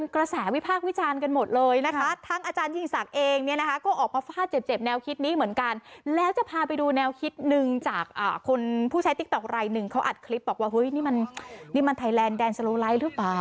เขาน่นนำให้ประชาชนออกมาใช้